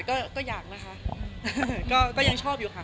เรียกงานไปเรียบร้อยแล้ว